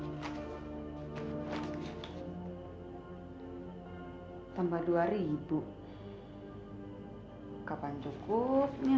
hai tambah rp dua hai kapan cukupnya